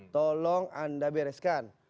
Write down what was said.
tolong anda bereskan